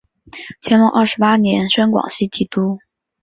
乾隆二十八年升广西提督。